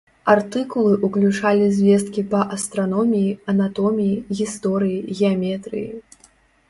Артыкулы ўключалі звесткі па астраноміі, анатоміі, гісторыі, геаметрыі.